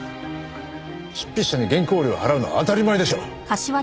執筆者に原稿料を払うのは当たり前でしょう。